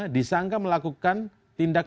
disangka melakukan tindak